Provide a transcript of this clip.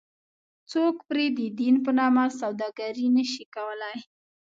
څوک پرې ددین په نامه سوداګري نه شي کولی.